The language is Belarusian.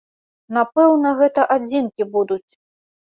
Напэўна, гэта адзінкі будуць.